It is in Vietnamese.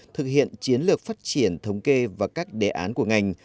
thực hiện chiến lược phát triển thống kê và các đề án của ngành